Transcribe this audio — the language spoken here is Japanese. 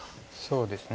そうですね。